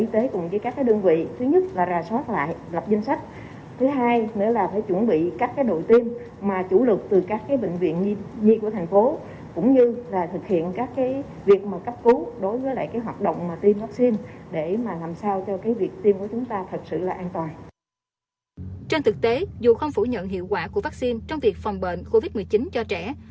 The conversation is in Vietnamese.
trên thực tế dù không phủ nhận hiệu quả của vaccine trong việc phòng bệnh covid một mươi chín cho trẻ